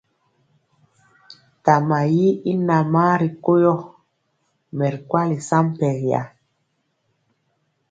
Tama yi i namaa ri ko yɔ, mɛ ri kwali sampɛriya.